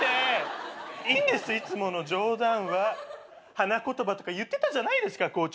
花言葉とか言ってたじゃないですか校長。